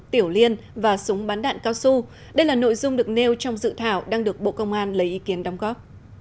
tiểu liên và súng bắn đạn cao su đây là nội dung được nêu trong dự thảo đang được bộ công an lấy ý kiến đóng góp